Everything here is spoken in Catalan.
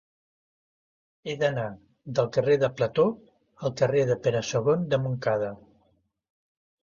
He d'anar del carrer de Plató al carrer de Pere II de Montcada.